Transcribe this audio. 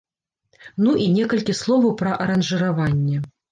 Ну і некалькі словаў пра аранжыраванне.